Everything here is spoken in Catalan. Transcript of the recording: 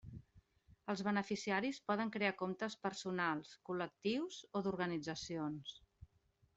Els beneficiaris poden crear comptes personals, col·lectius o d'organitzacions.